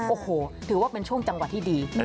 โอ้โหถือว่าเป็นช่วงจังหวะที่ดี